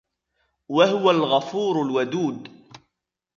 وهو الغفور الودود